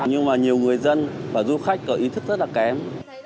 nhưng mà nhiều người dân và du khách có ý thức rất là kém